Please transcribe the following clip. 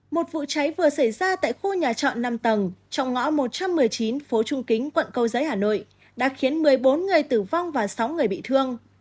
một vụ cháy vừa xảy ra tại khu nhà trọ năm tầng trong ngõ một trăm một mươi chín phố trung kính quận câu giấy hà nội đã khiến một mươi bốn người tử vong và sáu người bị thương